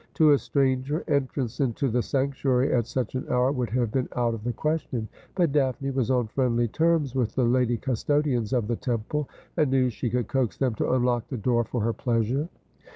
To a stranger, entrance into the sanctuary at such an hour would have been out of the question ; but Daphne was on friendly terms with the lady custodians of the temple, and knew she could coax them to unlock the door for her pleasure.